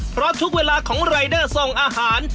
เพราะทุกเวลาของรายเดอร์ส่งอาหาร